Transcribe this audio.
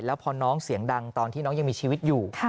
แล้วพอน้องเสียงดังตอนที่น้องยังมีชีวิตอยู่